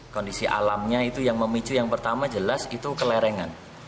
kondisi alamnya itu yang memicu yang pertama jelas itu kelerengan